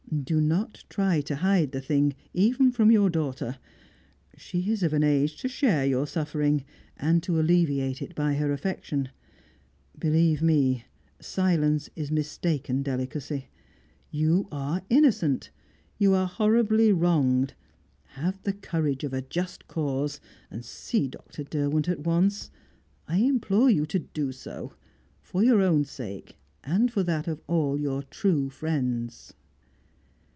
Do not try to hide the thing even from your daughter; she is of an age to share your suffering, and to alleviate it by her affection. Believe me, silence is mistaken delicacy. You are innocent; you are horribly wronged; have the courage of a just cause. See Dr. Derwent at once; I implore you to do so, for your own sake, and for that of all your true friends."